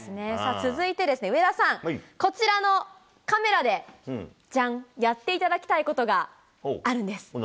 続いてですね、上田さん、こちらのカメラで、じゃん、やっていただきたいことがあるん何？